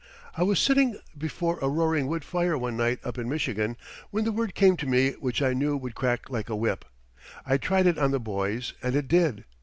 I was sitting before a roaring wood fire one night up in Michigan when the word came to me which I knew would crack like a whip. I tried it on the boys and it did.